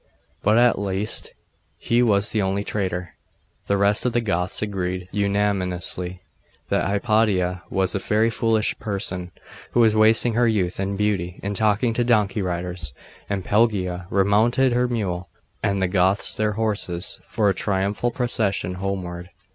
But at least he was the only traitor. The rest of the Goths agreed unanimously that Hypatia was a very foolish person, who was wasting her youth and beauty in talking to donkey riders; and Pelagia remounted her mule, and the Goths their horses, for a triumphal procession homeward.